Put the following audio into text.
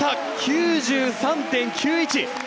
９３．９１。